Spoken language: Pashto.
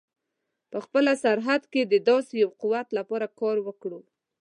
په خپله سرحد کې د داسې یوه قوت لپاره کار وکړو.